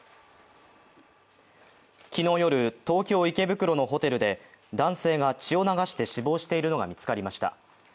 昨日夜、東京・池袋のホテルで男性が血を流して死亡しているのが見つかりました。